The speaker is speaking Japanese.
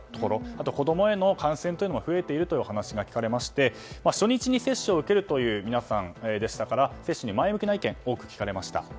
あとは子供への感染というのが増えているというお話が聞かれまして初日に接種を受けるという皆さんでしたから接種に前向きな意見が多く聞かれました。